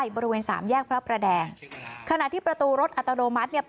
บริเวณสามแยกพระประแดงขณะที่ประตูรถอัตโนมัติเนี่ย